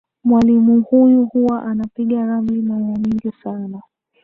Mwalimu huyu huwa anapiga ramli mara nyingi sana.